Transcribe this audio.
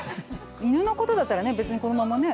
犬のことだったら別にこのままね。